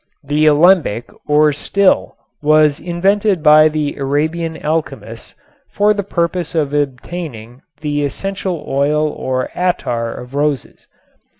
The alembic or still was invented by the Arabian alchemists for the purpose of obtaining the essential oil or attar of roses.